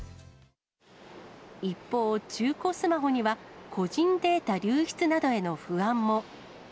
一方、中古スマホには、個人データ流出などへの不安も。